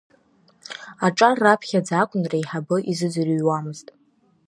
Аҿар раԥхьаӡа акәны реиҳабы изыӡырҩуамызт.